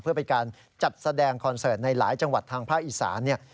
เพื่อเป็นการจัดแสดงคอนเสิร์ตในหลายจังหวัดทางภาคอีสานเนี่ย